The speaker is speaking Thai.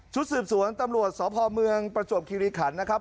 สืบสวนตำรวจสพเมืองประจวบคิริขันนะครับ